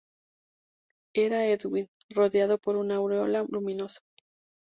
Era Edwin, rodeado por una aureola luminosa.